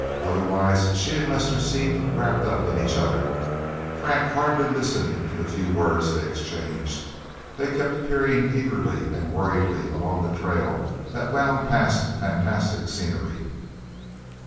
Otherwise, she and Lester seemed wrapped up in each other. Frank hardly listened to the few words they exchanged. They kept peering eagerly and worriedly along the trail, that wound past fantastic scenery.